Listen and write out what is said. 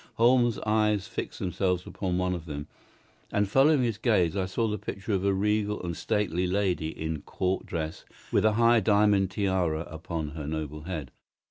Holmes's eyes fixed themselves upon one of them, and following his gaze I saw the picture of a regal and stately lady in Court dress, with a high diamond tiara upon her noble head.